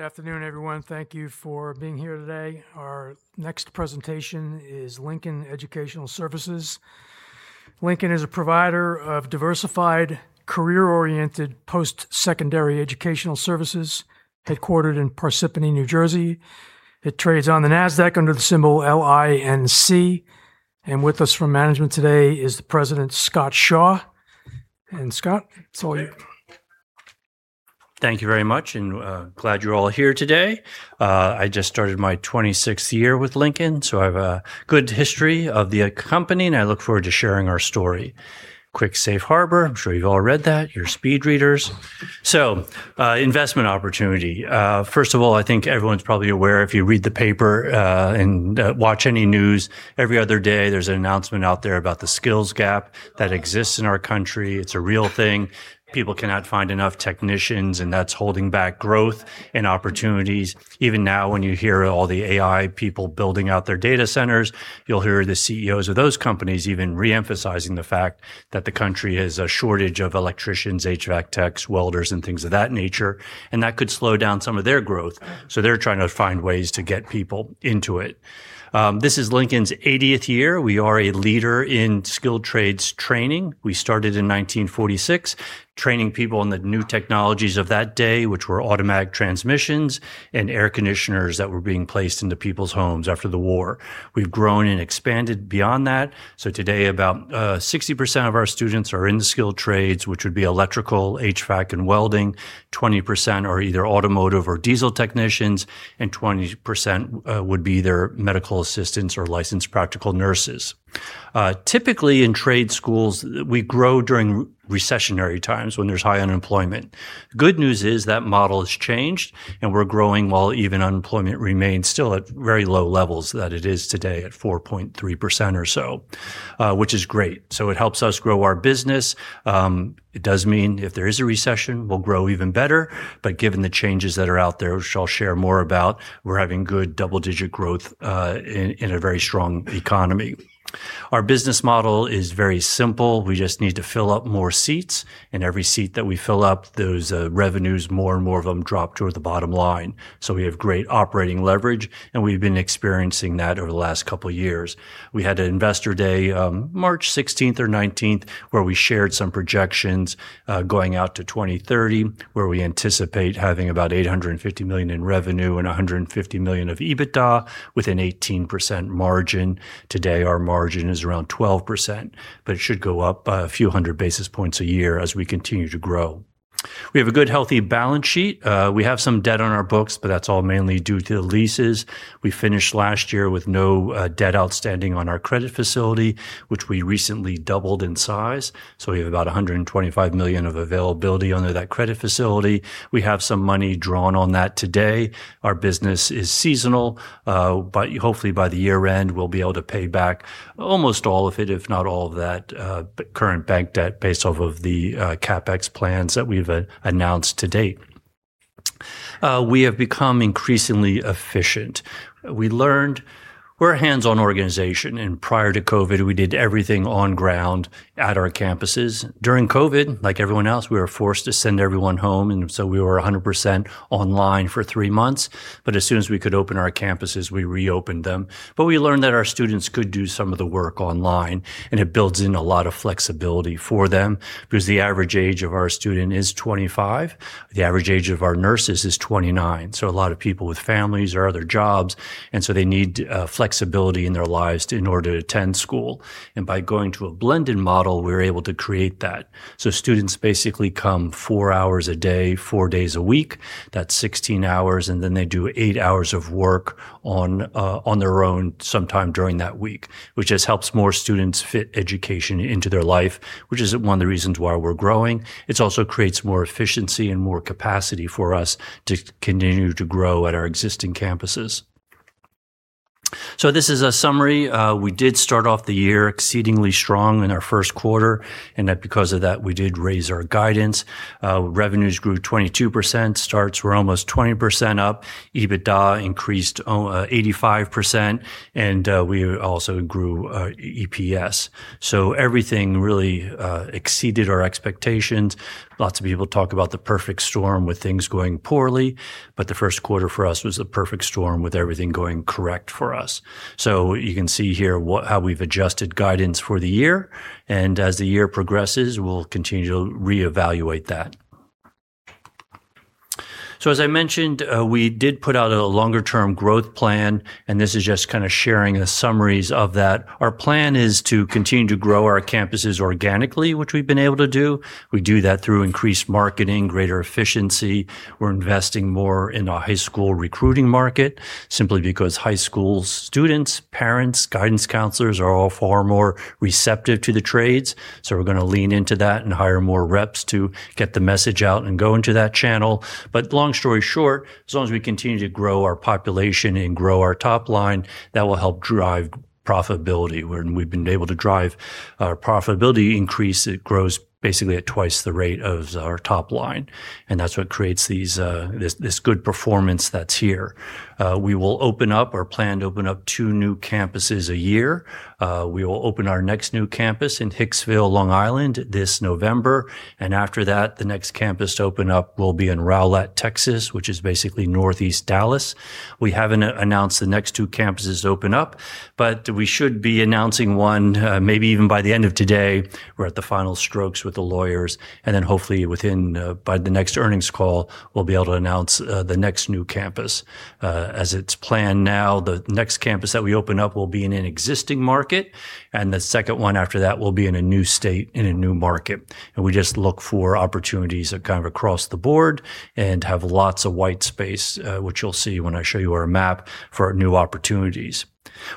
Good afternoon, everyone. Thank you for being here today. Our next presentation is Lincoln Educational Services. Lincoln is a provider of diversified, career-oriented post-secondary educational services, headquartered in Parsippany, New Jersey. It trades on the NASDAQ under the symbol LINC. With us from management today is President Scott Shaw. Scott, it's all you. Thank you very much, and glad you're all here today. I just started my 26th year with Lincoln, so I have a good history of the company, and I look forward to sharing our story. Quick safe harbor. I'm sure you've all read that. You're speed readers. Investment opportunity. First of all, I think everyone's probably aware, if you read the paper and watch any news, every other day, there's an announcement out there about the skills gap that exists in our country. It's a real thing. People cannot find enough technicians, and that's holding back growth and opportunities. Even now, when you hear all the AI people building out their data centers, you'll hear the CEOs of those companies even re-emphasizing the fact that the country has a shortage of electricians, HVAC techs, welders, and things of that nature, and that could slow down some of their growth. They're trying to find ways to get people into it. This is Lincoln's 80th year. We are a leader in skilled trades training. We started in 1946, training people in the new technologies of that day, which were automatic transmissions and air conditioners that were being placed into people's homes after the war. We've grown and expanded beyond that. Today about 60% of our students are in the skilled trades, which would be electrical, HVAC, and welding, 20% are either automotive or diesel technicians, and 20% would be either medical assistants or licensed practical nurses. Typically, in trade schools, we grow during recessionary times when there's high unemployment. Good news is that model has changed, and we're growing while even unemployment remains still at very low levels that it is today, at 4.3% or so, which is great. It helps us grow our business. It does mean if there is a recession, we'll grow even better, but given the changes that are out there, which I'll share more about, we're having good double-digit growth in a very strong economy. Our business model is very simple. We just need to fill up more seats, and every seat that we fill up, those revenues, more and more of them, drop toward the bottom line. We have great operating leverage, and we've been experiencing that over the last couple of years. We had an Investor Day, March 16th or 19th, where we shared some projections going out to 2030, where we anticipate having about $850 million in revenue and $150 million of EBITDA, with an 18% margin. Today, our margin is around 12%, but it should go up a few hundred basis points a year as we continue to grow. We have a good, healthy balance sheet. That's all mainly due to the leases. We finished last year with no debt outstanding on our credit facility, which we recently doubled in size. We have about $125 million of availability under that credit facility. We have some money drawn on that today. Our business is seasonal. Hopefully by the year-end, we'll be able to pay back almost all of it, if not all of that current bank debt based off of the CapEx plans that we've announced to date. We have become increasingly efficient. Prior to COVID, we did everything on ground at our campuses. During COVID, like everyone else, we were forced to send everyone home. We were 100% online for three months. As soon as we could open our campuses, we reopened them. We learned that our students could do some of the work online, and it builds in a lot of flexibility for them because the average age of our student is 25. The average age of our nurses is 29. A lot of people with families or other jobs, they need flexibility in their lives in order to attend school. By going to a blended model, we're able to create that. Students basically come four hours a day, four days a week. That's 16 hours. They do eight hours of work on their own sometime during that week, which just helps more students fit education into their life, which is one of the reasons why we're growing. It also creates more efficiency and more capacity for us to continue to grow at our existing campuses. This is a summary. We did start off the year exceedingly strong in our first quarter. We did raise our guidance. Revenues grew 22%. Starts were almost 20% up. EBITDA increased 85%. We also grew EPS. Everything really exceeded our expectations. Lots of people talk about the perfect storm with things going poorly. The first quarter for us was a perfect storm with everything going correct for us. You can see here how we've adjusted guidance for the year. As the year progresses, we'll continue to reevaluate that. As I mentioned, we did put out a longer-term growth plan. This is just kind of sharing summaries of that. Our plan is to continue to grow our campuses organically, which we've been able to do. We do that through increased marketing, greater efficiency. We're investing more in a high school recruiting market simply because high school students, parents, guidance counselors are all far more receptive to the trades. We're going to lean into that and hire more reps to get the message out and go into that channel. Long story short, as long as we continue to grow our population and grow our top line, that will help drive profitability. When we've been able to drive our profitability increase, it grows basically at twice the rate of our top line. That's what creates this good performance that's here. We will open up or plan to open up two new campuses a year. We will open our next new campus in Hicksville, Long Island, this November. After that, the next campus to open up will be in Rowlett, Texas, which is basically Northeast Dallas. We haven't announced the next two campuses to open up. We should be announcing one, maybe even by the end of today. We're at the final strokes with the lawyers. Hopefully by the next earnings call, we'll be able to announce the next new campus. As it's planned now, the next campus that we open up will be in an existing market. The second one after that will be in a new state, in a new market. We just look for opportunities kind of across the board and have lots of white space, which you'll see when I show you our map for new opportunities.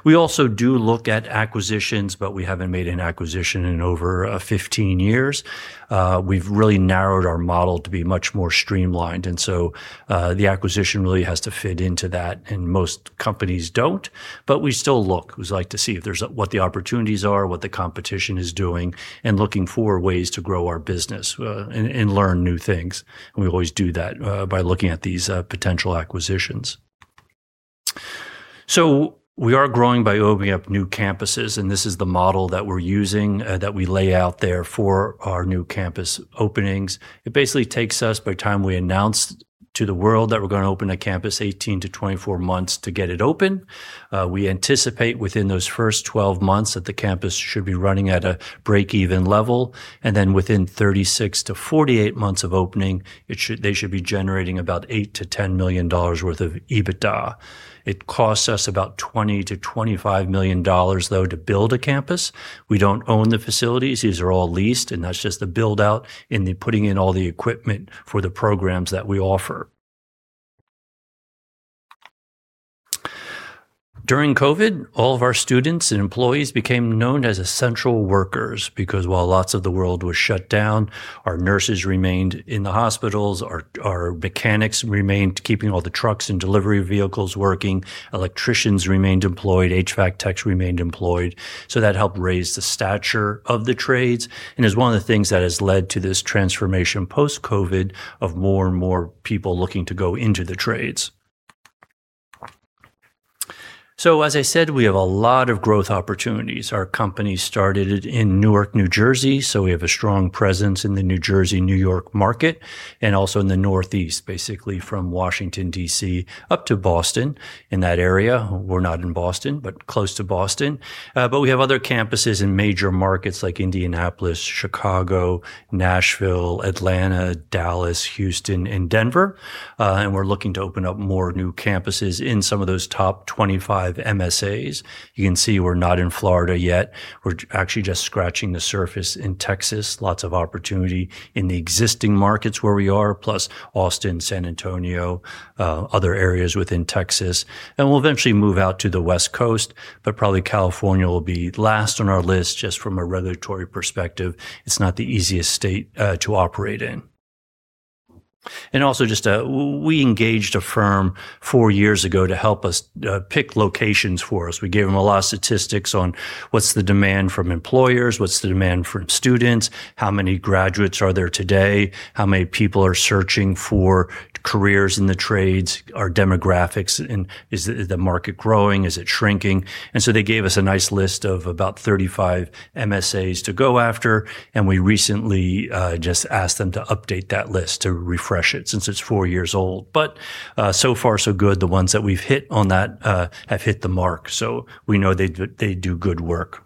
We also do look at acquisitions. We haven't made an acquisition in over 15 years. We've really narrowed our model to be much more streamlined. The acquisition really has to fit into that. Most companies don't. We still look. We like to see what the opportunities are, what the competition is doing, looking for ways to grow our business, learn new things. We always do that by looking at these potential acquisitions. We are growing by opening up new campuses. This is the model that we're using, that we lay out there for our new campus openings. It basically takes us, by the time we announce to the world that we're going to open a campus, 18-24 months to get it open. We anticipate within those first 12 months that the campus should be running at a break-even level. Within 36-48 months of opening, they should be generating about $8 million-$10 million worth of EBITDA. It costs us about $20 million-$25 million, though, to build a campus. We don't own the facilities. These are all leased. That's just the build-out and the putting in all the equipment for the programs that we offer. During COVID, all of our students and employees became known as essential workers because while lots of the world was shut down, our nurses remained in the hospitals, our mechanics remained keeping all the trucks and delivery vehicles working, electricians remained employed, HVAC techs remained employed. That helped raise the stature of the trades and is one of the things that has led to this transformation post-COVID of more and more people looking to go into the trades. As I said, we have a lot of growth opportunities. Our company started in Newark, New Jersey, so we have a strong presence in the New Jersey-New York market and also in the Northeast, basically from Washington, D.C. up to Boston, in that area. We're not in Boston, but close to Boston. We have other campuses in major markets like Indianapolis, Chicago, Nashville, Atlanta, Dallas, Houston, and Denver. We're looking to open up more new campuses in some of those top 25 MSAs. You can see we're not in Florida yet. We're actually just scratching the surface in Texas. Lots of opportunity in the existing markets where we are, plus Austin, San Antonio, other areas within Texas. We'll eventually move out to the West Coast, probably California will be last on our list, just from a regulatory perspective. It's not the easiest state to operate in. We engaged a firm four years ago to help us pick locations for us. We gave them a lot of statistics on what's the demand from employers, what's the demand from students, how many graduates are there today, how many people are searching for careers in the trades, our demographics, and is the market growing, is it shrinking? They gave us a nice list of about 35 MSAs to go after, and we recently just asked them to update that list to refresh it since it's four years old. So far so good. The ones that we've hit on that have hit the mark, we know they do good work.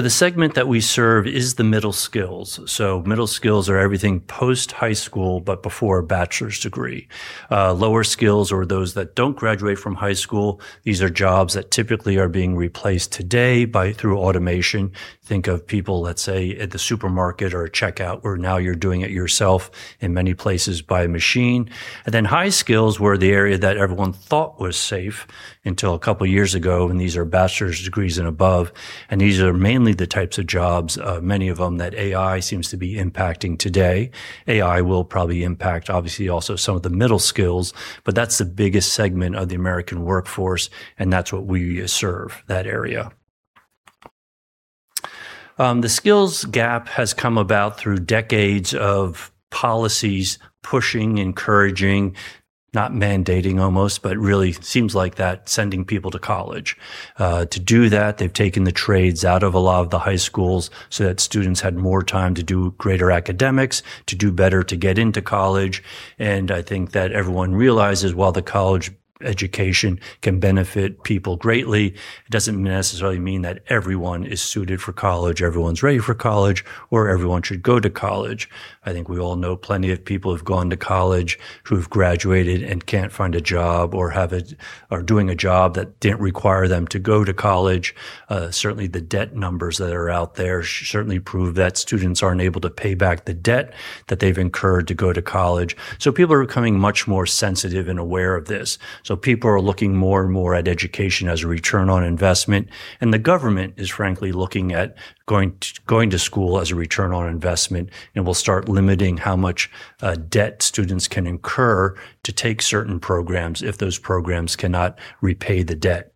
The segment that we serve is the middle skills. Middle skills are everything post-high school but before a bachelor's degree. Lower skills are those that don't graduate from high school. These are jobs that typically are being replaced today through automation. Think of people, let's say, at the supermarket or a checkout, where now you're doing it yourself in many places by a machine. High skills were the area that everyone thought was safe until a couple of years ago, and these are bachelor's degrees and above, and these are mainly the types of jobs, many of them, that AI seems to be impacting today. AI will probably impact, obviously, also some of the middle skills, but that's the biggest segment of the American workforce, and that's what we serve, that area. The skills gap has come about through decades of policies pushing, encouraging, not mandating almost, but really seems like that, sending people to college. To do that, they've taken the trades out of a lot of the high schools so that students had more time to do greater academics, to do better to get into college. I think that everyone realizes while the college education can benefit people greatly, it doesn't necessarily mean that everyone is suited for college, everyone's ready for college, or everyone should go to college. I think we all know plenty of people who've gone to college who've graduated and can't find a job or are doing a job that didn't require them to go to college. Certainly, the debt numbers that are out there certainly prove that students aren't able to pay back the debt that they've incurred to go to college. People are becoming much more sensitive and aware of this. People are looking more and more at education as a return on investment, and the government is frankly looking at going to school as a return on investment, and will start limiting how much debt students can incur to take certain programs if those programs cannot repay the debt.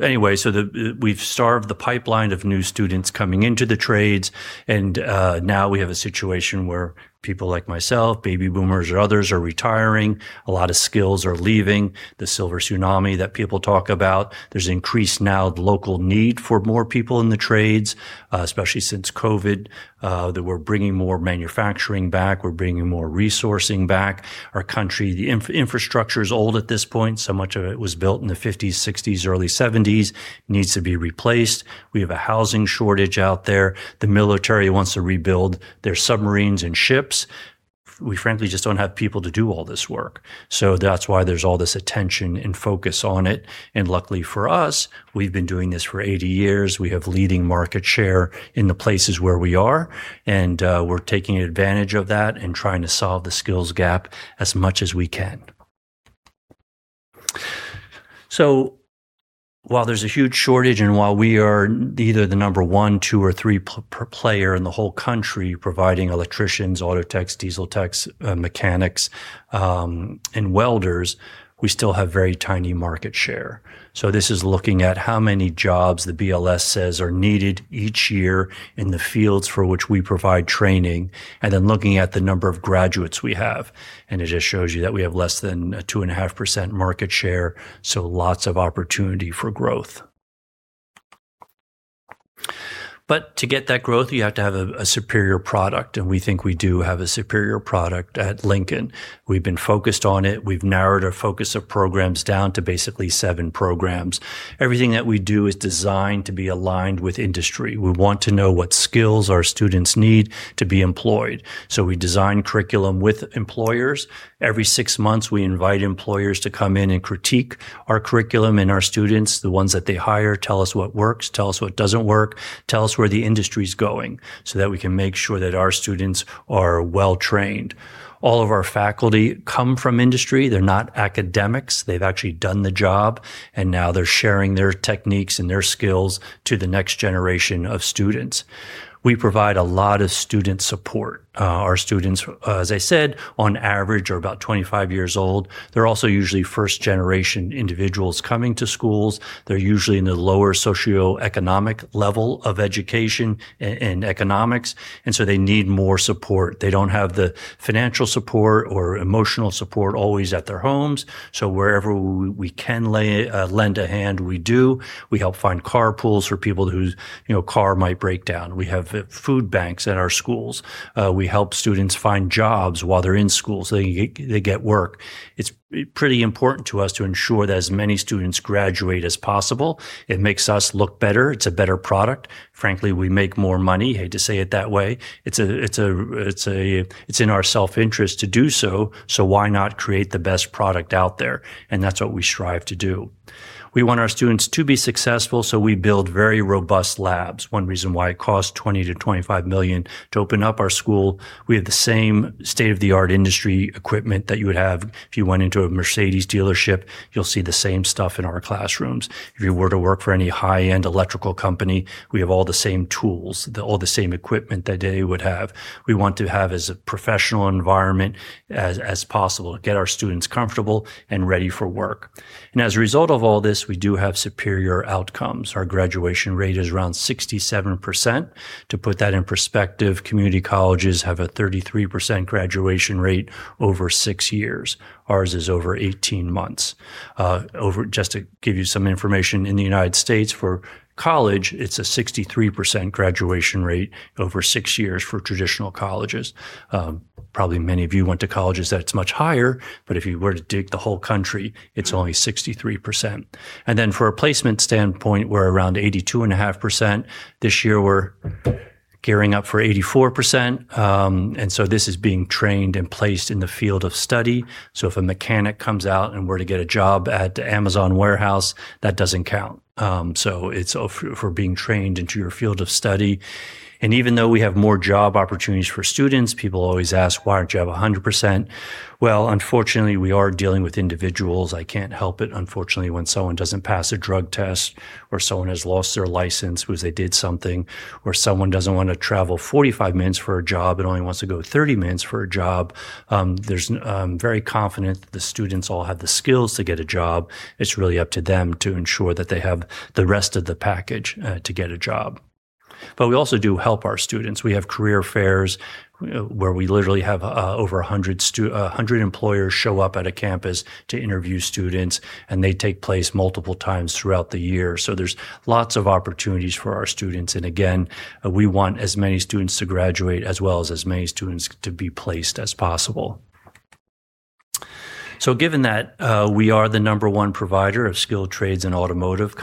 Anyway, we've starved the pipeline of new students coming into the trades, and now we have a situation where people like myself, baby boomers or others, are retiring. A lot of skills are leaving, the silver tsunami that people talk about. There's increased now local need for more people in the trades, especially since COVID, that we're bringing more manufacturing back, we're bringing more resourcing back. Our country, the infrastructure is old at this point. So much of it was built in the 1950s, 1960s, early 1970s, needs to be replaced. We have a housing shortage out there. The military wants to rebuild their submarines and ships. We frankly just don't have people to do all this work. That's why there's all this attention and focus on it. Luckily for us, we've been doing this for 80 years. We have leading market share in the places where we are, and we're taking advantage of that and trying to solve the skills gap as much as we can. While there's a huge shortage and while we are either the number one, two, or three player in the whole country providing electricians, auto techs, diesel techs, mechanics, and welders, we still have very tiny market share. This is looking at how many jobs the BLS says are needed each year in the fields for which we provide training, and then looking at the number of graduates we have, and it just shows you that we have less than a 2.5% market share, lots of opportunity for growth. To get that growth, you have to have a superior product, and we think we do have a superior product at Lincoln. We've been focused on it. We've narrowed our focus of programs down to basically seven programs. Everything that we do is designed to be aligned with industry. We want to know what skills our students need to be employed. We design curriculum with employers. Every six months, we invite employers to come in and critique our curriculum and our students, the ones that they hire, tell us what works, tell us what doesn't work, tell us where the industry's going, so that we can make sure that our students are well-trained. All of our faculty come from industry. They're not academics. They've actually done the job, and now they're sharing their techniques and their skills to the next generation of students. We provide a lot of student support. Our students, as I said, on average, are about 25 years old. They're also usually first-generation individuals coming to schools. They're usually in the lower socioeconomic level of education and economics, they need more support. They don't have the financial support or emotional support always at their homes. Wherever we can lend a hand, we do. We help find carpools for people whose car might break down. We have food banks at our schools. We help students find jobs while they're in school, so they get work. It's pretty important to us to ensure that as many students graduate as possible. It makes us look better. It's a better product. Frankly, we make more money. Hate to say it that way. It's in our self-interest to do so why not create the best product out there? That's what we strive to do. We want our students to be successful, so we build very robust labs. One reason why it costs $20 million-$25 million to open up our school, we have the same state-of-the-art industry equipment that you would have if you went into a Mercedes dealership. You'll see the same stuff in our classrooms. If you were to work for any high-end electrical company, we have all the same tools, all the same equipment that they would have. We want to have as a professional environment as possible, get our students comfortable and ready for work. As a result of all this, we do have superior outcomes. Our graduation rate is around 67%. To put that in perspective, community colleges have a 33% graduation rate over six years. Ours is over 18 months. Just to give you some information, in the U.S., for college, it's a 63% graduation rate over six years for traditional colleges. Probably many of you went to colleges that it's much higher, but if you were to dig the whole country, it's only 63%. For a placement standpoint, we're around 82.5%. This year, we're gearing up for 84%. This is being trained and placed in the field of study. If a mechanic comes out and were to get a job at the Amazon warehouse, that doesn't count. It's for being trained into your field of study. Even though we have more job opportunities for students, people always ask, "Why aren't you have 100%?" Well, unfortunately, we are dealing with individuals. I can't help it, unfortunately, when someone doesn't pass a drug test or someone has lost their license because they did something, or someone doesn't want to travel 45 minutes for a job and only wants to go 30 minutes for a job. I'm very confident that the students all have the skills to get a job. It's really up to them to ensure that they have the rest of the package to get a job. We also do help our students. We have career fairs where we literally have over 100 employers show up at a campus to interview students, and they take place multiple times throughout the year. There's lots of opportunities for our students, and again, we want as many students to graduate as well as as many students to be placed as possible. Given that we are the number one provider of skilled trades and automotive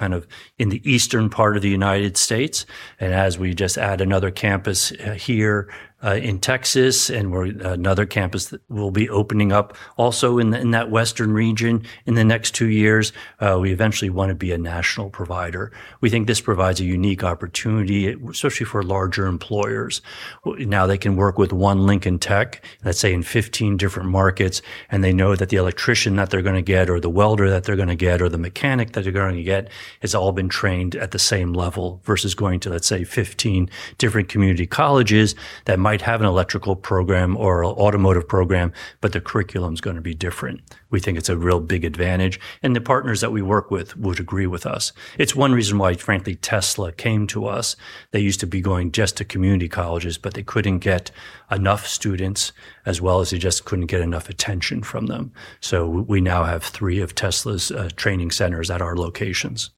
in the eastern part of the U.S., and as we just add another campus here in Texas, and another campus that will be opening up also in that western region in the next two years, we eventually want to be a national provider. We think this provides a unique opportunity, especially for larger employers. Now they can work with one Lincoln Tech, let's say in 15 different markets, and they know that the electrician that they're going to get, or the welder that they're going to get, or the mechanic that they're going to get, has all been trained at the same level. Versus going to, let's say, 15 different community colleges that might have an electrical program or automotive program, but the curriculum is going to be different. We think it's a real big advantage, and the partners that we work with would agree with us. It's one reason why, frankly, Tesla came to us. They used to be going just to community colleges, but they couldn't get enough students, as well as they just couldn't get enough attention from them. We now have three of Tesla's training centers at our locations.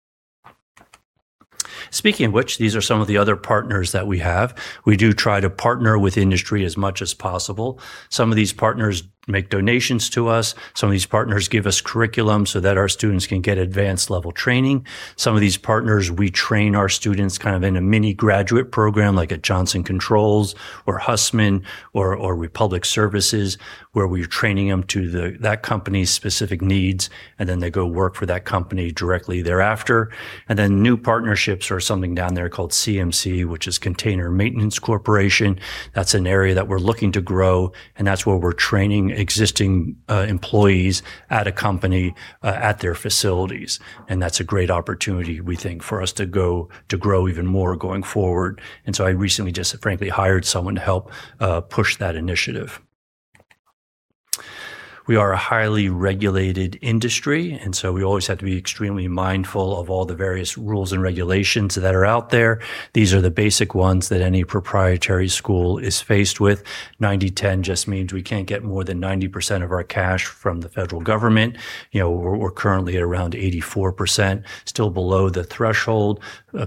Speaking of which, these are some of the other partners that we have. We do try to partner with industry as much as possible. Some of these partners make donations to us. Some of these partners give us curriculum so that our students can get advanced-level training. Some of these partners, we train our students in a mini graduate program, like at Johnson Controls or Hussmann or Republic Services, where we are training them to that company's specific needs, and then they go work for that company directly thereafter. New partnerships are something down there called CMC, which is Container Maintenance Corporation. That's an area that we're looking to grow, and that's where we're training existing employees at a company at their facilities. That's a great opportunity, we think, for us to grow even more going forward. I recently just frankly hired someone to help push that initiative. We are a highly regulated industry, we always have to be extremely mindful of all the various rules and regulations that are out there. These are the basic ones that any proprietary school is faced with. 90/10 just means we can't get more than 90% of our cash from the federal government. We're currently at around 84%, still below the threshold,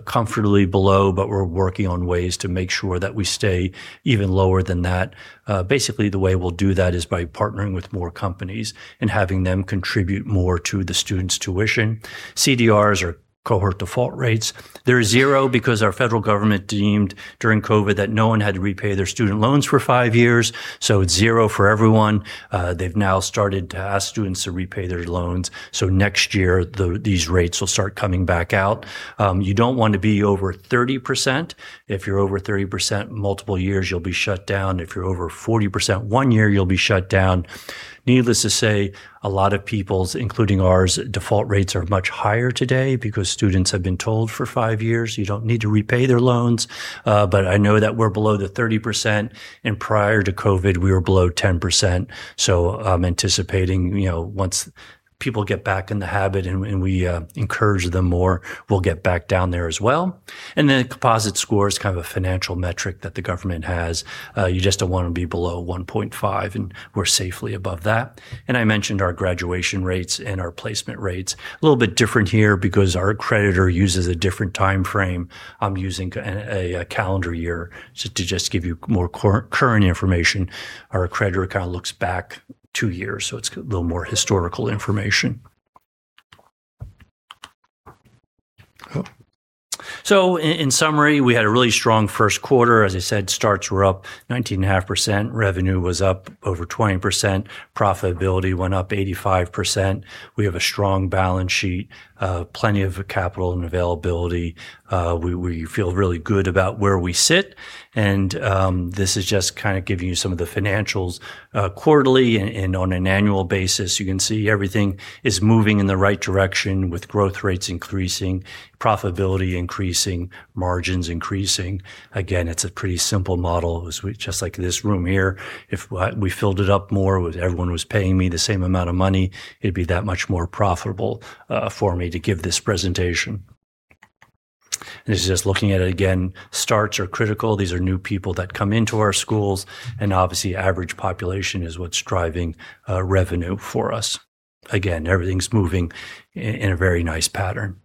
comfortably below, but we're working on ways to make sure that we stay even lower than that. Basically, the way we'll do that is by partnering with more companies and having them contribute more to the students' tuition. CDRs are Cohort Default Rates. They're zero because our federal government deemed during COVID that no one had to repay their student loans for five years, so it's zero for everyone. Next year, these rates will start coming back out. You don't want to be over 30%. If you're over 30% multiple years, you'll be shut down. If you're over 40% one year, you'll be shut down. Needless to say, a lot of people's, including ours, default rates are much higher today because students have been told for five years you don't need to repay their loans. I know that we're below the 30%, and prior to COVID, we were below 10%. I'm anticipating once people get back in the habit and we encourage them more, we'll get back down there as well. A composite score is a financial metric that the government has. You just don't want to be below 1.5, and we're safely above that. I mentioned our graduation rates and our placement rates. A little bit different here because our accreditor uses a different timeframe. I'm using a calendar year to just give you more current information. Our accreditor kind of looks back two years, so it's a little more historical information. In summary, we had a really strong first quarter. As I said, starts were up 19.5%, revenue was up over 20%, profitability went up 85%. We have a strong balance sheet, plenty of capital and availability. We feel really good about where we sit, and this is just giving you some of the financials quarterly and on an annual basis. You can see everything is moving in the right direction with growth rates increasing, profitability increasing, margins increasing. Again, it's a pretty simple model. Just like this room here, if we filled it up more, if everyone was paying me the same amount of money, it'd be that much more profitable for me to give this presentation. This is just looking at it again. Starts are critical. These are new people that come into our schools, and obviously average population is what's driving revenue for us. Again, everything's moving in a very nice pattern.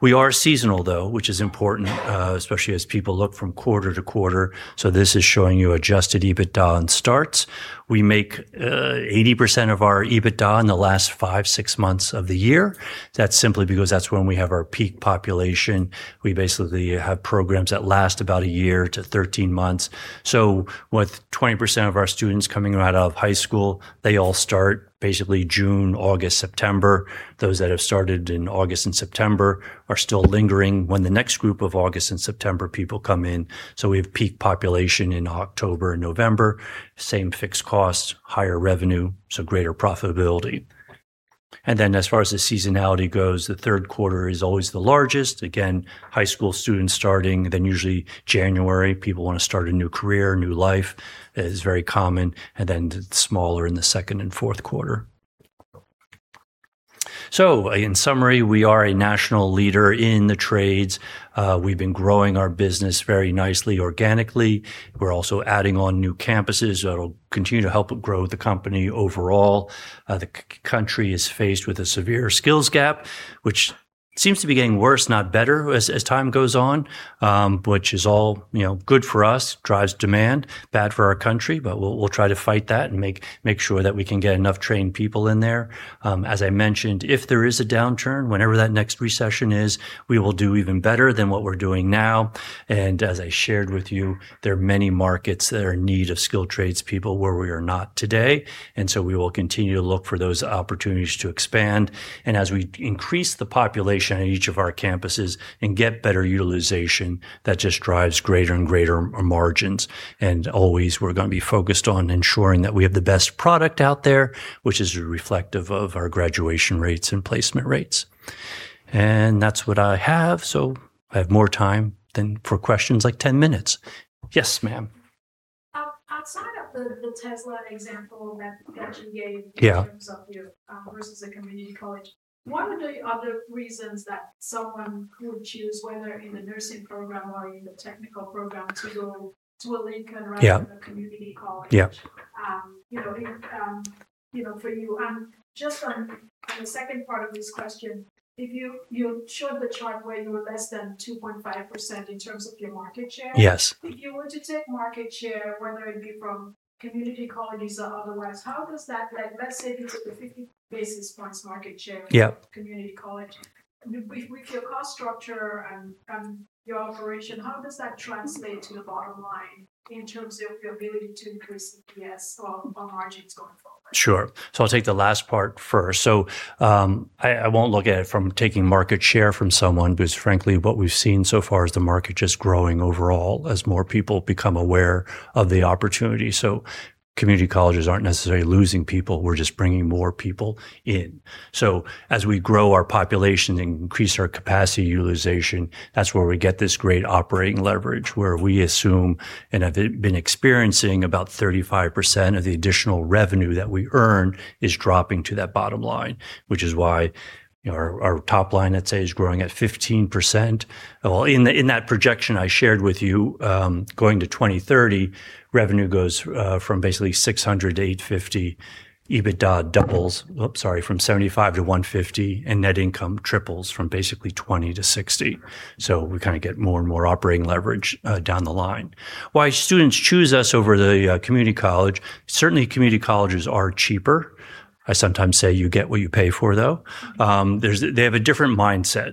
We are seasonal, though, which is important, especially as people look from quarter to quarter. This is showing you adjusted EBITDA and starts. We make 80% of our EBITDA in the last five, six months of the year. That's simply because that's when we have our peak population. We basically have programs that last about a year to 13 months. With 20% of our students coming right out of high school, they all start basically June, August, September. Those that have started in August and September are still lingering when the next group of August and September people come in. We have peak population in October and November, same fixed costs, higher revenue, so greater profitability. Then as far as the seasonality goes, the third quarter is always the largest. Again, high school students starting, then usually January, people want to start a new career, a new life. It is very common. Then it's smaller in the second and fourth quarter. In summary, we are a national leader in the trades. We've been growing our business very nicely organically. We're also adding on new campuses that'll continue to help grow the company overall. The country is faced with a severe skills gap, which seems to be getting worse, not better as time goes on. Which is all good for us, drives demand, bad for our country, but we'll try to fight that and make sure that we can get enough trained people in there. As I mentioned, if there is a downturn, whenever that next recession is, we will do even better than what we're doing now. As I shared with you, there are many markets that are in need of skilled trades people where we are not today, we will continue to look for those opportunities to expand. As we increase the population at each of our campuses and get better utilization, that just drives greater and greater margins. Always, we're going to be focused on ensuring that we have the best product out there, which is reflective of our graduation rates and placement rates. That's what I have, so I have more time than for questions, like 10 minutes. Yes, ma'am. Outside of the Tesla example that you gave? Yeah in terms of you versus a community college, what are the other reasons that someone would choose whether in the nursing program or in the technical program to go to a Lincoln? Yeah rather than a community college? Yeah. For you. Just on the second part of this question, you showed the chart where you were less than 2.5% in terms of your market share. Yes. If you were to take market share, whether it be from community colleges or otherwise, let's say if you took a 50 basis points market share. Yeah from a community college, with your cost structure and your operation, how does that translate to the bottom line in terms of your ability to increase EPS or margins going forward? Sure. I'll take the last part first. I won't look at it from taking market share from someone, because frankly, what we've seen so far is the market just growing overall as more people become aware of the opportunity. Community colleges aren't necessarily losing people, we're just bringing more people in. As we grow our population and increase our capacity utilization, that's where we get this great operating leverage, where we assume, and have been experiencing about 35% of the additional revenue that we earn is dropping to that bottom line. Which is why our top line, let's say, is growing at 15%. In that projection I shared with you, going to 2030, revenue goes from basically $600 to $850. EBITDA doubles, oops, sorry, from $75 to $150, and net income triples from basically $20 to $60. We kind of get more and more operating leverage down the line. Why students choose us over the community college, certainly community colleges are cheaper. I sometimes say you get what you pay for, though. They have a different mindset.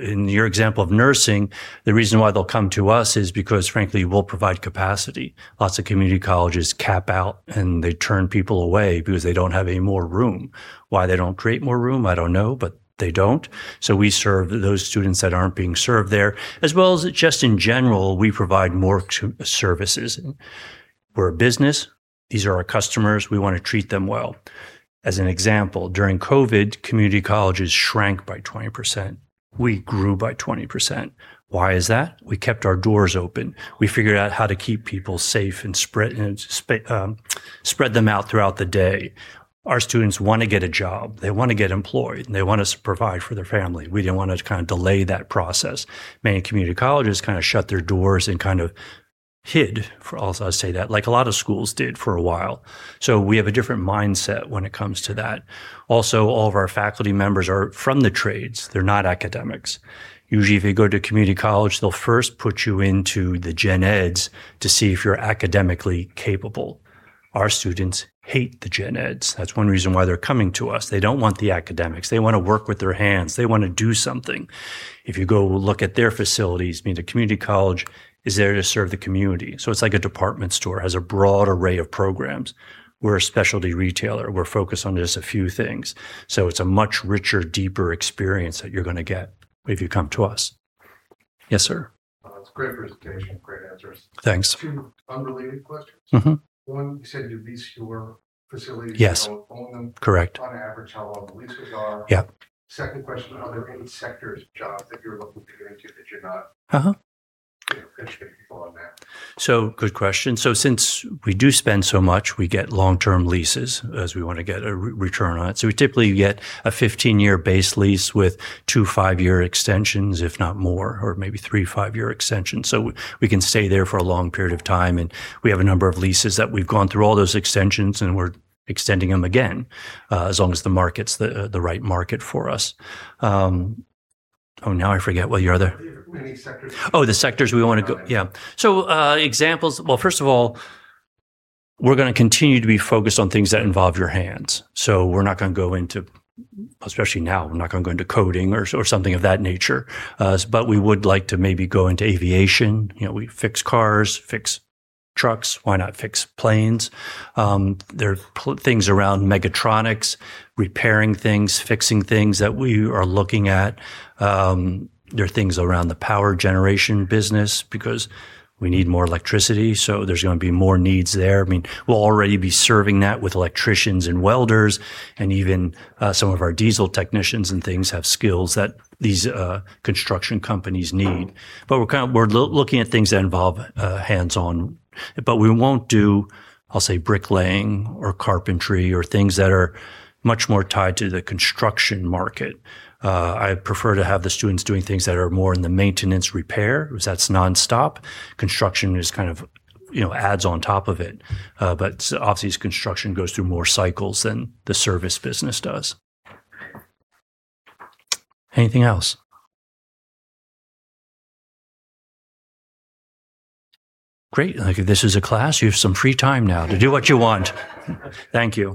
In your example of nursing, the reason why they'll come to us is because, frankly, we'll provide capacity. Lots of community colleges cap out, and they turn people away because they don't have any more room. Why they don't create more room, I don't know, but they don't. We serve those students that aren't being served there, as well as just in general, we provide more services. We're a business. These are our customers. We want to treat them well. As an example, during COVID, community colleges shrank by 20%. We grew by 20%. Why is that? We kept our doors open. We figured out how to keep people safe and spread them out throughout the day. Our students want to get a job. They want to get employed, and they want to provide for their family. We didn't want to delay that process. Many community colleges shut their doors and kind of hid, I'll say that, like a lot of schools did for a while. We have a different mindset when it comes to that. Also, all of our faculty members are from the trades. They're not academics. Usually, if you go to a community college, they'll first put you into the gen eds to see if you're academically capable. Our students hate the gen eds. That's one reason why they're coming to us. They don't want the academics. They want to work with their hands. They want to do something. If you go look at their facilities, meaning the community college is there to serve the community, it's like a department store, has a broad array of programs. We're a specialty retailer. We're focused on just a few things. It's a much richer, deeper experience that you're going to get if you come to us. Yes, sir. It's a great presentation, great answers. Thanks. Two unrelated questions. One, you said you lease your facilities. Yes, you don't own them. Correct. On average, how long the leases are. Second question, are there any sectors or jobs that you're looking to get into that you're not pitching people on that? Good question. Since we do spend so much, we get long-term leases as we want to get a return on it. We typically get a 15-year base lease with two five-year extensions, if not more, or maybe three five-year extensions. We can stay there for a long period of time, and we have a number of leases that we've gone through all those extensions, and we're extending them again, as long as the market's the right market for us. Now I forget what your other question was. The sectors we want to go. Examples, well, first of all, we're going to continue to be focused on things that involve your hands. We're not going to go into, especially now, we're not going to go into coding or something of that nature. But we would like to maybe go into aviation. We fix cars, fix trucks. Why not fix planes? There are things around mechatronics, repairing things, fixing things that we are looking at. There are things around the power generation business because we need more electricity, there's going to be more needs there. We'll already be serving that with electricians and welders, and even some of our diesel technicians and things have skills that these construction companies need. We're looking at things that involve hands-on, but we won't do, I'll say, bricklaying or carpentry or things that are much more tied to the construction market. I prefer to have the students doing things that are more in the maintenance repair, because that's nonstop. Construction just kind of adds on top of it. Obviously, construction goes through more cycles than the service business does. Anything else? Great. Like, if this is a class, you have some free time now to do what you want. Thank you.